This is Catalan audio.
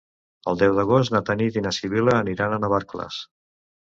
El deu d'agost na Tanit i na Sibil·la aniran a Navarcles.